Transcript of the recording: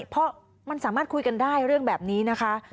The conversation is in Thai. เพราะมันสามารถคุยกันได้เรื่องแบบนี้นะคะ